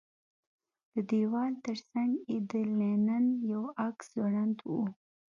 د دېوال ترڅنګ یې د لینن یو عکس ځوړند و